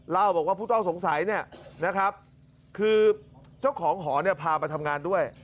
เล่าบอกว่าผู้ต้องสงสัยเนี่ยนะครับคือเจ้าของหอเนี่ยพามาทำงานด้วย